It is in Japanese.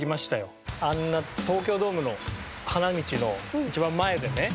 あんな東京ドームの花道の一番前でね